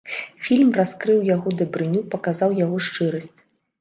Фільм раскрыў яго дабрыню, паказаў яго шчырасць.